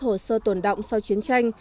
hồ sơ tồn động sau chiến tranh